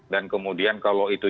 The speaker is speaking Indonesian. dan kemudian kalau itu